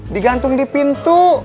digantung di pintu